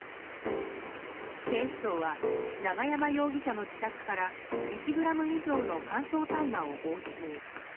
警視庁は永山容疑者の自宅から１ｇ以上の乾燥大麻を押収。